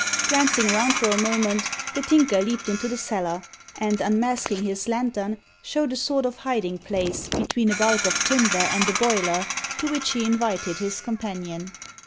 Glancing round for a moment, the Tinker leaped into the cellar, and, unmasking his lantern, showed a sort of hiding place, between a bulk of timber and a boiler, to which he invited his companion.